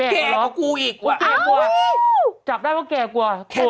แก่กว่าอ้าววิ้วจับได้ว่าแก่กว่าโกรธเลย